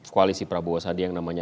koalisi prabowo sandi yang namanya